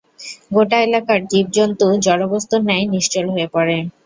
গোটা এলাকার জীব-জন্তু জড়-বস্তুর ন্যায় নিশ্চল হয়ে পড়ে।